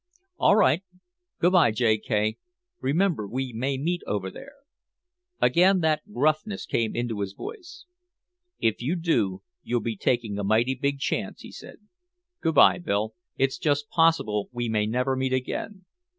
"All right. Good by, J. K. remember we may meet over there " Again that gruffness came into his voice: "If you do, you'll be taking a mighty big chance," he said. "Good by, Bill it's just possible we may never meet again.